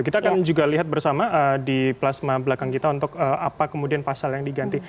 kita akan juga lihat bersama di plasma belakang kita untuk apa kemudian pasal yang diganti